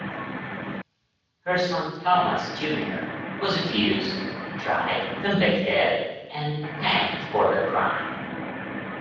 Her son Thomas Junior was accused, tried, convicted, and hanged for the crime.